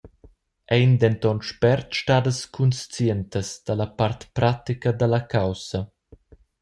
Ein denton spert stadas cunscientas dalla part pratica dalla caussa.